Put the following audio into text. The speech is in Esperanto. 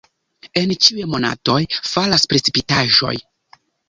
En ĉiuj monatoj falas precipitaĵoj.